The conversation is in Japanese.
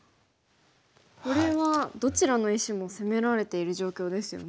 これはどちらの石も攻められている状況ですよね。